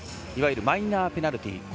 いわゆるマイナーペナルティー。